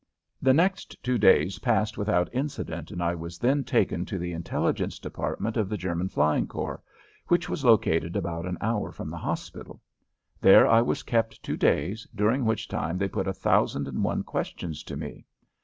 ] The next two days passed without incident and I was then taken to the Intelligence Department of the German Flying Corps, which was located about an hour from the hospital. There I was kept two days, during which time they put a thousand and one questions to me.